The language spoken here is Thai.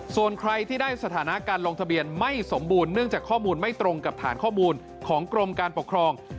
ส่วนใครที่ได้สถานะการลงทะเบียนไม่สมบูรณ์เนื่องจากข้อมูลไม่ตรงกับฐานข้อมูลของกรมการปกครอง